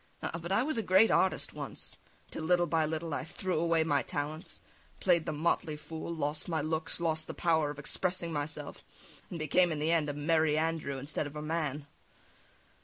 Ah! but I was a great artist once, till little by little I threw away my talents, played the motley fool, lost my looks, lost the power of expressing myself, and became in the end a Merry Andrew instead of a man.